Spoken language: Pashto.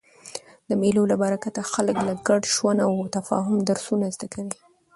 د مېلو له برکته خلک د ګډ ژوند او تفاهم درسونه زده کوي.